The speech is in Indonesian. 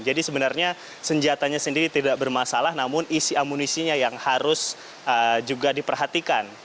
jadi sebenarnya senjatanya sendiri tidak bermasalah namun isi amunisinya yang harus juga diperhatikan